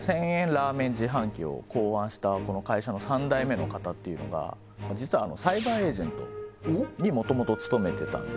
ラーメン自販機を考案したこの会社の３代目の方っていうのが実はサイバーエージェントにもともと勤めてたんですよ